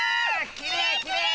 きれいきれい！